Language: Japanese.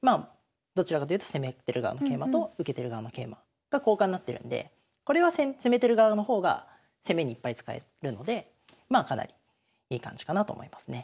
どちらかというと攻めてる側の桂馬と受けてる側の桂馬が交換になってるんでこれは攻めてる側の方が攻めにいっぱい使えるのでかなりいい感じかなと思いますね。